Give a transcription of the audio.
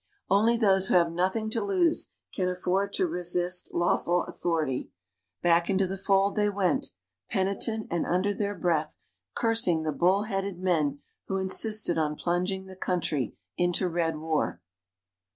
Only those who have nothing to lose can afford to resist lawful authority back into the fold they went, penitent and under their breath cursing the bull headed men who insisted on plunging the country into red war.